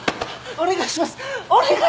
お願いします！